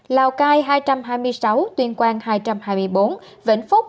lào cai hai trăm hai mươi sáu tuyên quang hai trăm hai mươi bốn vĩnh phúc hai trăm linh